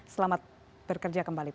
selamat bekerja kembali pak